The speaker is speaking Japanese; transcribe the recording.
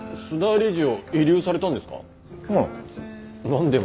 須田理事を慰留されたんですか？